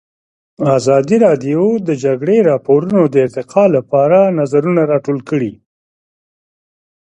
ازادي راډیو د د جګړې راپورونه د ارتقا لپاره نظرونه راټول کړي.